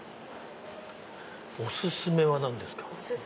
お薦めは何ですか？